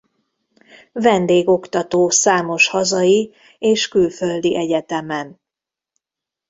Vendégoktató számos hazai és külföldi egyetemen.